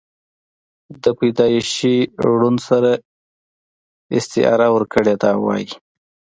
دَپيدائشي ړوند سره استعاره ورکړې ده او وائي: